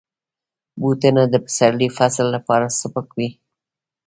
بوټونه د پسرلي فصل لپاره سپک وي.